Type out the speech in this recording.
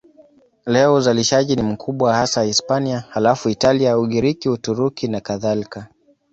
Leo uzalishaji ni mkubwa hasa Hispania, halafu Italia, Ugiriki, Uturuki nakadhalika.